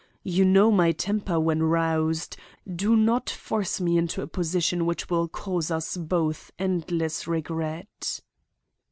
You know my temper when roused. Do not force me into a position which will cause us both endless regret.